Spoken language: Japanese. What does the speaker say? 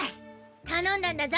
頼んだんだゾ。